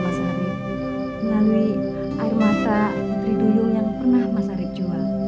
melalui air mata triduyung yang pernah mas arief jual